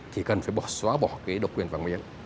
thì cần phải xóa bỏ cái độc quyền vàng miếng